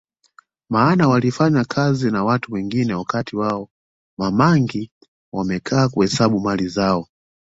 Maana walifanyiwa kazi na watu wengine wakati wao Ma mangi wamekaa kuhesabu mali zao